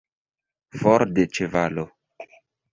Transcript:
For de ĉevalo!